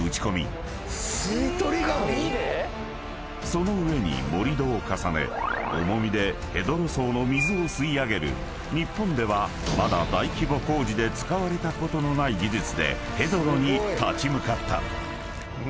［その上に盛り土を重ね重みでヘドロ層の水を吸い上げる日本ではまだ大規模工事で使われたことのない技術でヘドロに立ち向かった］